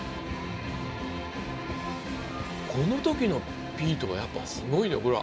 この時のピートはやっぱすごいよほら